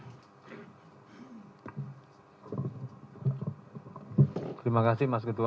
terima kasih mas ketua